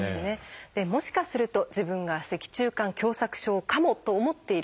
もしかすると自分が脊柱管狭窄症かもと思っている方。